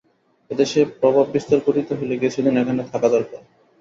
এদেশে প্রভাব বিস্তার করিতে হইলে কিছুদিন এখানে থাকা দরকার।